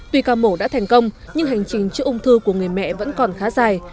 tuy ca mổ đã thành công nhưng hành trình chữa ung thư của người mẹ vẫn còn khá dài